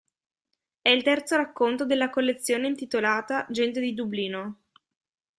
È il terzo racconto della collezione intitolata "Gente di Dublino".